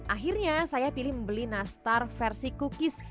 akhirnya saya pilih membeli nastar versi cookies